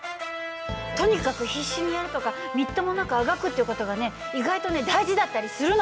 とにかく必死にやるとかみっともなくあがくっていう事がね意外とね大事だったりするの！